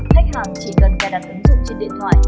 khách hàng chỉ cần cài đặt ứng dụng trên điện thoại